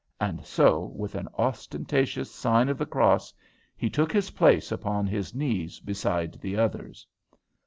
and so, with an ostentatious sign of the cross, he took his place upon his knees beside the others.